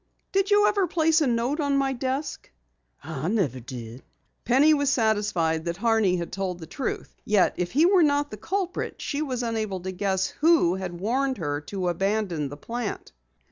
"Did you ever place a note on my desk?" "I never did." Penny was satisfied that Horney had told the truth. Yet if he were not the culprit she was unable to guess who had warned her to abandon the plant.